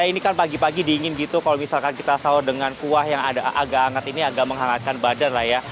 ini kan pagi pagi dingin gitu kalau misalkan kita sahur dengan kuah yang agak hangat ini agak menghangatkan badan lah ya